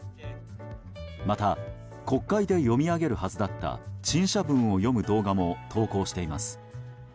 また国会で読み上げるはずだった陳謝文を読む動画も投稿しています。